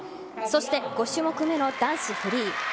そして、５種目めの男子フリー。